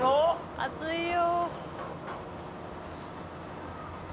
暑いよ。